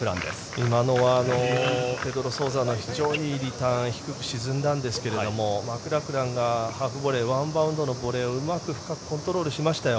今のはペドロ・ソウザの非常にいいリターン低く沈んだんですけれどもマクラクランがハーフボレーワンバウンドのボレーをうまく深くコントロールしましたよ。